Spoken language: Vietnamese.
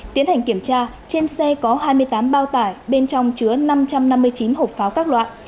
tiến hành kiểm tra trên xe có hai mươi tám bao tải bên trong chứa năm trăm năm mươi chín hộp pháo các loại